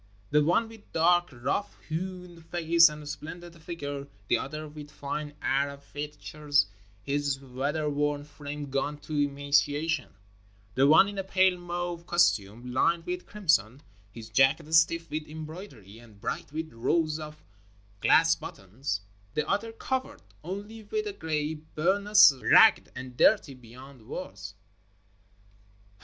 The one with dark, rough hewn face and splendid figure, the other with fine Arab features, his weather worn frame gaunt to emaciation — the one in a pale mauve costume Hned with crimson, his jacket stiff with embroidery and bright with rows of glass buttons, the other covered only with a gray bur nous ragged and dirty beyond words.